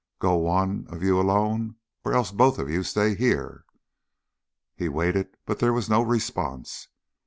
Go one of you alone or else both of you stay here." He waited, but there was no response.